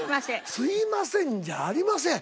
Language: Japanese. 「すいません」じゃありません。